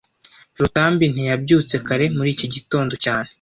Rutambi ntiyabyutse kare muri iki gitondo cyane